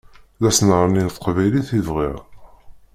D asnerni n teqbaylit i bɣiɣ.